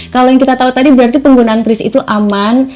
kalau yang kita tahu tadi berarti penggunaan tris itu aman